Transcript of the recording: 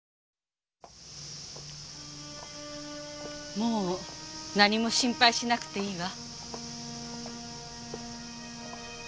もう何も心配しなくていいわ。